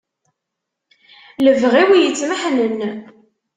Lebɣi-w yettmeḥnen.